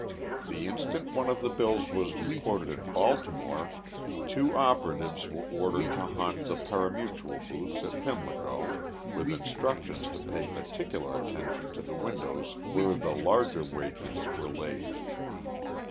The instant one of the bills was reported in Baltimore two operatives were ordered to haunt the pari mutuel booths at Pimlico, with instructions to pay particular attention to the windows where the larger wagers were laid.